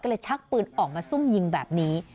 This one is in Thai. ก็เลยชักปืนออกมาซุ่มยิงแบบนี้